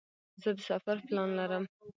زه د سفر پلان لرم.